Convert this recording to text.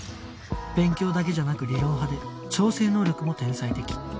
勉強だけじゃなく理論派で調整能力も天才的